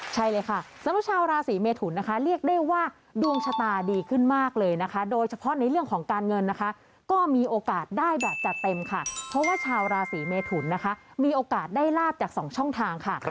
ใช่เลยค่ะสำหรับชาวราศีเมทุนนะคะเรียกได้ว่าดวงชะตาดีขึ้นมากเลยนะคะโดยเฉพาะในเรื่องของการเงินนะคะก็มีโอกาสได้แบบจัดเต็มค่ะเพราะว่าชาวราศีเมทุนนะคะมีโอกาสได้ลาบจากสองช่องทางค่ะ